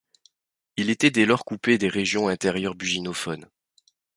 Il était dès lors coupé des régions intérieures buginophones.